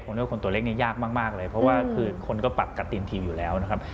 ผมเรียกว่าคนตัวเล็กนี่ยากมากเลยเพราะว่าคือคนก็ปักกะตินทีมอยู่แล้วนะครับ